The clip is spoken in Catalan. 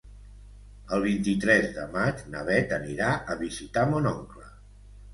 El vint-i-tres de maig na Beth anirà a visitar mon oncle.